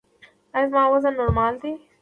ایا زما وزن نورمال دی؟